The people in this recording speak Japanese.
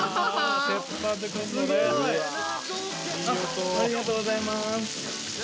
スタッフ：ありがとうございます。